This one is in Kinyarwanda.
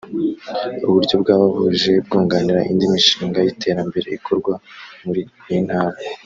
uburyo bwaba buje bwunganira indi mishinga y’iterambere ikorwa muri iyi ntara